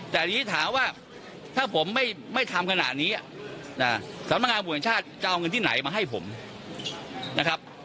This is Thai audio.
แต่ทีนี้ถามว่าถ้าผมไม่ทำขนาดนี้สำนักงานบุญแห่งชาติจะเอาเงินที่ไหนมาให้ผมนะครับ